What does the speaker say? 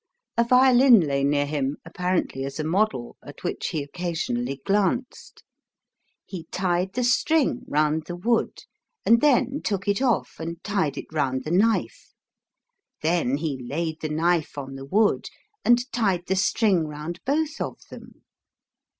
A violin lay near him, apparently as a model, at which he occasionally glanced. He tied the string round the wood, and then took it off and tied it round the knife ; then he laid the knife on the wood, and tied the string round both of them.